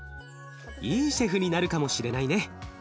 いいシェフになるかもしれないね。